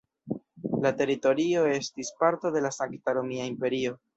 La teritorio estis parto de la Sankta Romia Imperio.